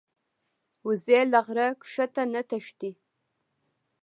وزې له غره ښکته نه تښتي